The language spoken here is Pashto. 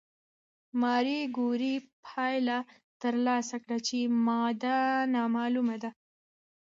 ماري کوري پایله ترلاسه کړه چې ماده نامعلومه ده.